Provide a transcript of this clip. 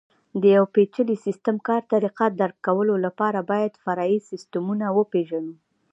د یوه پېچلي سیسټم کار طریقه درک کولو لپاره باید فرعي سیسټمونه وپېژنو.